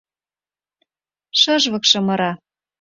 Шӹжвыкшы мыра.